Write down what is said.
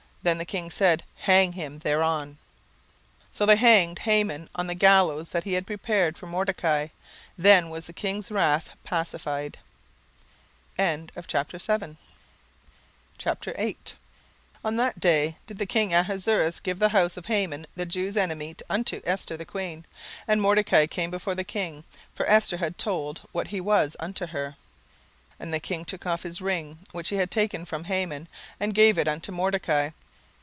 Then the king said, Hang him thereon. 17:007:010 So they hanged Haman on the gallows that he had prepared for Mordecai. Then was the king's wrath pacified. 17:008:001 On that day did the king Ahasuerus give the house of Haman the Jews' enemy unto Esther the queen. And Mordecai came before the king; for Esther had told what he was unto her. 17:008:002 And the king took off his ring, which he had taken from Haman, and gave it unto Mordecai.